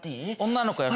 女の子やる？